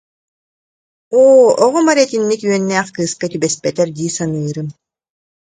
Оо, оҕом эрэ итинник үөннээх кыыска түбэспэтэр дии саныырым